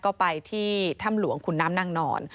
ก็ไปที่ถ้ำหลวงขุนน้ำนางนอน